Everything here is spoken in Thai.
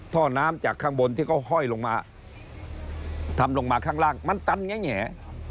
ท่อน้ำจากข้างบนที่เขาห้อยลงมาทำลงมาข้างล่างมันตันแง่